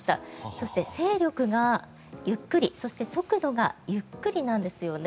そして勢力がゆっくりそして速度がゆっくりなんですよね。